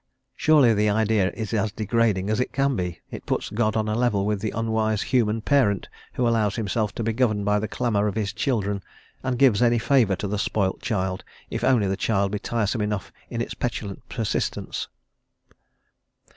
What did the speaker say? Surely the idea is as degrading as it can be; it puts God on a level with the unwise human parent, who allows himself to be governed by the clamour of his children, and gives any favour to the spoilt child, if only the child be tiresome enough in its petulant persistence.